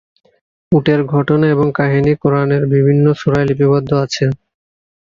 উটের ঘটনা এবং কাহিনী কুরআনের বিভিন্ন সূরায় লিপিবদ্ধ আছে।